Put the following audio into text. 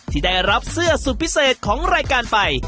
ที่ได้รับเสื้อสุดพิเศษของรายการไป